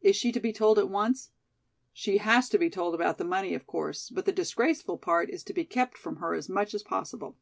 "Is she to be told at once?" "She has to be told about the money, of course, but the disgraceful part is to be kept from her as much as possible."